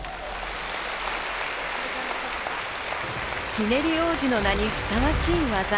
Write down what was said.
ひねり王子の名にふさわしい技。